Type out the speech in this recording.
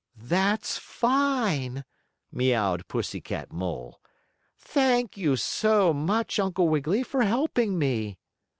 "That's fine!" meowed Pussy Cat Mole. "Thank you so much, Uncle Wiggily, for helping me!"